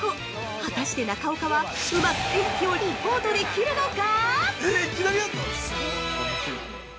果たして中岡はうまく天気をレポートできるのか？